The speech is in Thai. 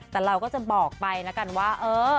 แต่เราก็จะบอกไปแล้วกันว่าเออ